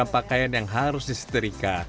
pakaian yang harus disetrika